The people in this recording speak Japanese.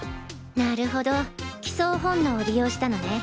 なるほど帰巣本能を利用したのね。